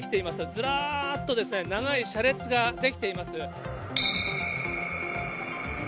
ずらーっとですね、長い車列が出来ています。